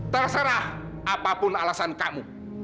terserah apapun alasan kamu